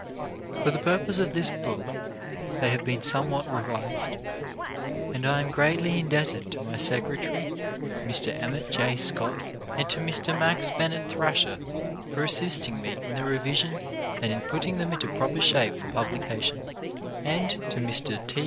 For the purpose of this book they have been somewhat revised; and I am greatly indebted to my secretary, Mr. Emmett J. Scott, and to Mr. Max Bennett Thrash er, for assisting me in the revision and in putting them into proper shape for publication; and to Mr. T.